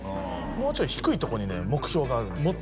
もうちょい低いとこにね目標があるんですよ